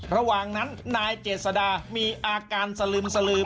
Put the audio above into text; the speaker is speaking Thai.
ระหว่างนั้นนายเจษดามีอาการสลึมสลือ